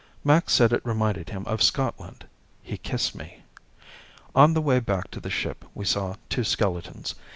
Max said it reminded him of Scotland. He kissed me. On the way back to the ship we saw two skeletons.